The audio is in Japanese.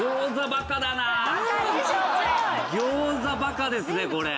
餃子バカですねこれ。